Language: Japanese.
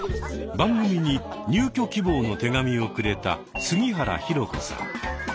番組に入居希望の手紙をくれた杉原弘子さん。